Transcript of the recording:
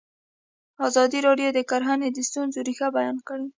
ازادي راډیو د کرهنه د ستونزو رېښه بیان کړې.